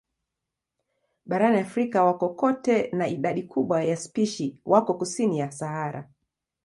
Barani Afrika wako kote na idadi kubwa ya spishi wako kusini ya Sahara.